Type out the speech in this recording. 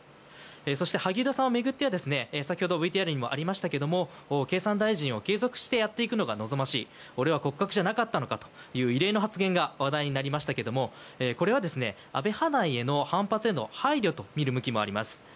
そして萩生田さんを巡っては先ほどＶＴＲにもありましたが経産大臣を継続していくのが望ましい俺は骨格じゃなかったのかという異例の発言が話題になりましたがこれは安倍派内の反発への配慮とみられます。